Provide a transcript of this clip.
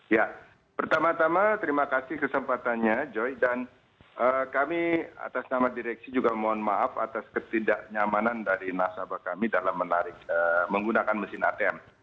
ya pertama tama terima kasih kesempatannya joy dan kami atas nama direksi juga mohon maaf atas ketidaknyamanan dari nasabah kami dalam menggunakan mesin atm